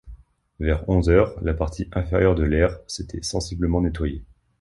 Vers onze heures, la partie inférieure de l’air s’était sensiblement nettoyée